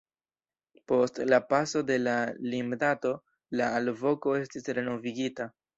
Post la paso de la limdato la alvoko estis renovigita.